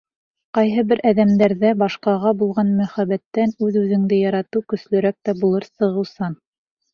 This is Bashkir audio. Ҡайһы бер әҙәмдәрҙә башҡаға булған мөхәббәттән үҙ-үҙеңде яратыу көслөрәк тә булып сығыусан.